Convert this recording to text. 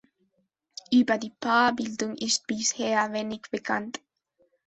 Über die Paarbildung ist bisher wenig bekannt.